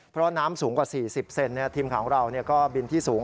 เพราะว่าน้ำสูงกว่า๔๐เซ็นต์ทีมของเราก็บินที่สูง